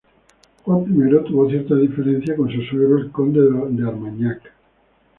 Juan I tuvo ciertas diferencias con su suegro, el conde de Armañac.